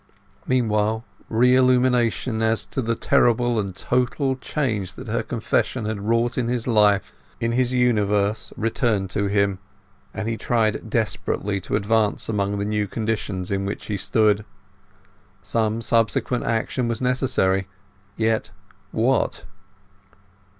Meanwhile reillumination as to the terrible and total change that her confession had wrought in his life, in his universe, returned to him, and he tried desperately to advance among the new conditions in which he stood. Some consequent action was necessary; yet what?